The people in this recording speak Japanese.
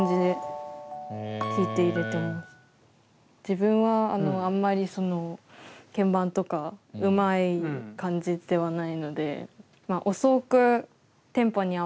自分はあんまりその鍵盤とかうまい感じではないので。